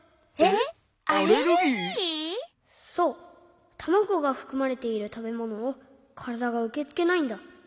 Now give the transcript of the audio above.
そうたまごがふくまれているたべものをからだがうけつけないんだ。